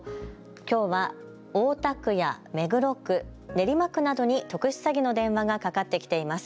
きょうは大田区や目黒区、練馬区などに特殊詐欺の電話がかかってきています。